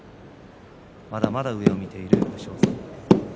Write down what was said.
まだまだ上を見ている武将山です。